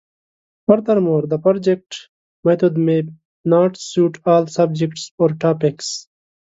Furthermore, the project method may not suit all subjects or topics.